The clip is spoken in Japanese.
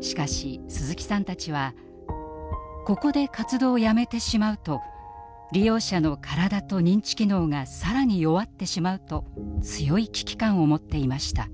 しかし鈴木さんたちはここで活動をやめてしまうと利用者の体と認知機能が更に弱ってしまうと強い危機感を持っていました。